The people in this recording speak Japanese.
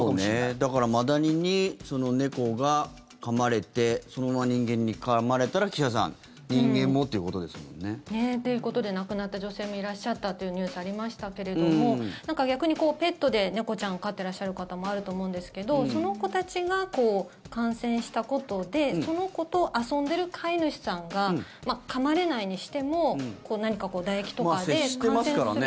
だからマダニに猫がかまれてそのまま人間がかまれたら岸田さん人間もということですもんね。ということで亡くなった女性もいらっしゃったというニュースありましたけれども逆にペットで猫ちゃんを飼っていらっしゃる方もあると思うんですけどその子たちが感染したことでその子と遊んでいる飼い主さんがかまれないにしてもまあ接してますからね。